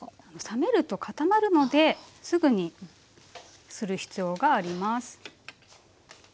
冷めると固まるのですぐにする必要があります。